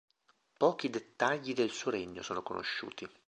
Pochi dettagli del suo regno sono conosciuti.